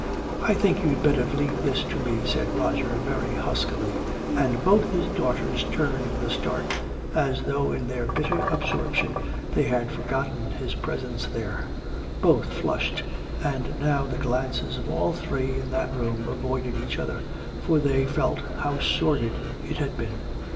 "I think you'd better leave this to me," said Roger very huskily. And both his daughters turned with a start, as though in their bitter absorption they had forgotten his presence there. Both flushed, and now the glances of all three in that room avoided each other. For they felt how sordid it had been.